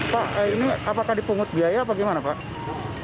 pak ini apakah dipungut biaya atau gimana pak